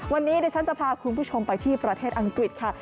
วันนี้เดี๋ยวฉันจะพาคุณผู้ชมไปที่ประเทศอังกฤษค่ะ